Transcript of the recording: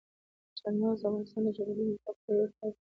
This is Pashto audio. چار مغز د افغانستان د جغرافیایي موقیعت پوره یوه پایله ده.